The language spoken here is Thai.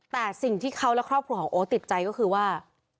แต่สิ่งที่เขาและครอบครัวของโอ๊ตติดใจก็คือว่า